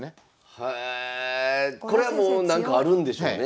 へえこれはもうなんかあるんでしょうね。